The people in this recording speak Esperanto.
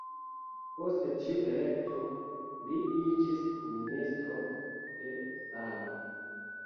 Post tiu elekto, li iĝis Ministro de sano.